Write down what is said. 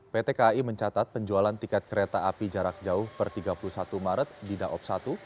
pt kai mencatat penjualan tiket kereta api jarak jauh per tiga puluh satu maret di daob satu